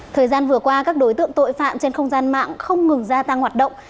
thời gian vừa qua các đối tượng tội phạm trên không gian mạng không ngừng gia tăng hoạt động